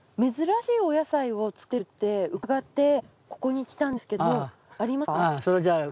珍しいお野菜を作ってるってうかがってここに来たんですけどもありますか？